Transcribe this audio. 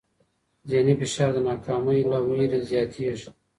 ذهني فشار د ناکامۍ له وېرې زیاتېږي.